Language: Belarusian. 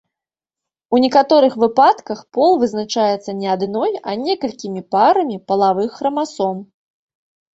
У некаторых выпадках пол вызначаецца не адной, а некалькімі парамі палавых храмасом.